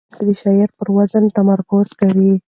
لوستونکي د شعر پر وزن تمرکز کوي.